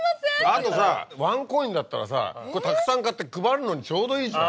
あとさワンコインだったらさたくさん買って配るのにちょうどいいじゃん。